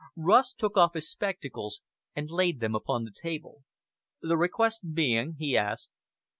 Rust took off his spectacles and laid them upon the table. "The request being " he asked.